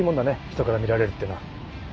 人から見られるってのは。